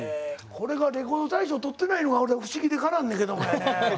これがレコード大賞取ってないのが俺不思議でかなわんねんけどもやね。